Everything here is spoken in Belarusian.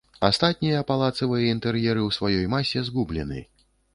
Астатнія палацавыя інтэр'еры ў сваёй масе згублены.